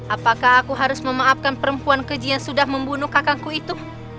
apakah aku harus memaafkan perempuan keji yang sudah membunuh kakakku itu